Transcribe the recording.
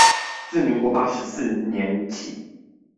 自民國八十四年起